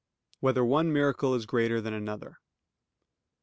8] Whether One Miracle Is Greater Than Another?